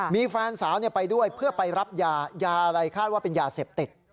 มีแฟนสาวไปด้วยเพื่อไปรับยายาอะไรคาดว่าเป็นยาเสพติด